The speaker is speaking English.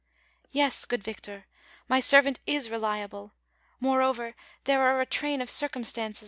' "Yes, good Victor, my servant is reliable; moreover, tliere are a train of cii cumstances.